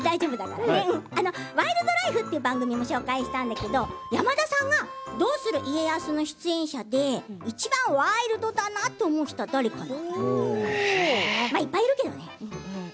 「ワイルドライフ」という番組を紹介したけど山田さんが「どうする家康」の出演者でいちばんワイルドだなと思う人は誰かな。